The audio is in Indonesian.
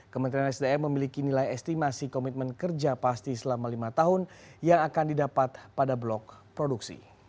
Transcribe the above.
kementerian sdm memiliki nilai estimasi komitmen kerja pasti selama lima tahun yang akan didapat pada blok produksi